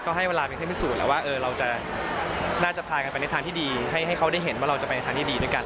ก็ให้เวลาเป็นเครื่องพิสูจน์แล้วว่าเราจะน่าจะพากันไปในทางที่ดีให้เขาได้เห็นว่าเราจะไปในทางที่ดีด้วยกัน